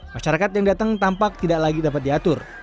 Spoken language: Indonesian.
masyarakat yang datang tampak tidak lagi dapat diatur